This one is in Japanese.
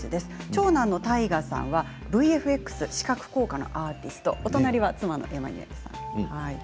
長男の大河さんはＶＦＸ視覚効果のアーティストお隣は妻のエマニュエルさん。